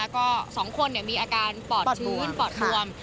ก็๒คนมีอาการปอดชื้นปอดบวม